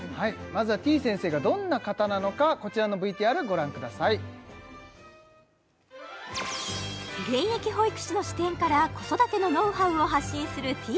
まずはてぃ先生がどんな方なのかこちらのＶＴＲご覧ください現役保育士の視点から子育てのノウハウを発信するてぃ